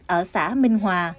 hợp tác xã minh hòa